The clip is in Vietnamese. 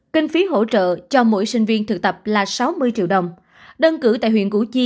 kinh phí hỗ trợ cho mỗi sinh viên thực tập là sáu mươi triệu đồng đơn cử tại huyện củ chi